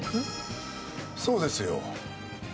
そうですよ。